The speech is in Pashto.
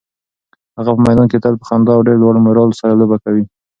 هغه په میدان کې تل په خندا او ډېر لوړ مورال سره لوبه کوي.